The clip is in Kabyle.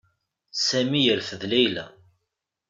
Sami yerfed Layla.